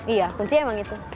iya kuncinya emang itu